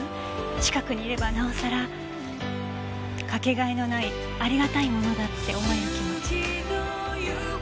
近くにいればなおさらかけがえのないありがたいものだって思える気持ち。